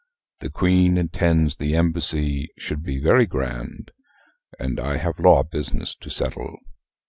The Queen intends the embassy should be very grand and I have law business to settle.